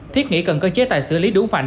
thiết nghĩ cần cơ chế tài xử lý đúng mạnh